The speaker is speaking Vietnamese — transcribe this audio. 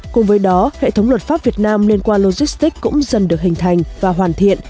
cùng với đó hệ thống luật pháp việt nam liên quan logistics cũng dần được hình thành và hoàn thiện